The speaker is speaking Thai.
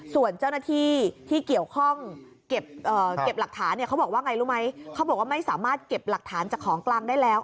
ส่วนเจ้าหน้าที่ที่เกี่ยวข้องเก็บหลักฐานเนี่ยเขาบอกว่าไงรู้ไหมเขาบอกว่าไม่สามารถเก็บหลักฐานจากของกลางได้แล้ว